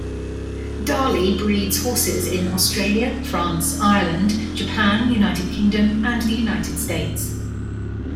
Darley breeds horses in Australia, France, Ireland, Japan, United Kingdom and the United States.